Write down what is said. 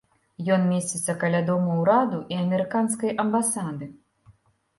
Ён месціцца каля дома ўраду і амерыканскай амбасады.